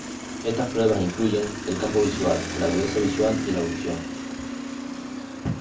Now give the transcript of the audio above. Estas pruebas incluyen el campo visual, la agudeza visual y la audición.